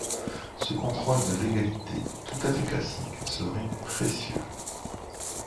Ce contrôle de légalité, tout à fait classique, serait précieux.